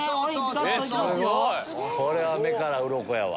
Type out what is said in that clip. これは目からウロコやわ。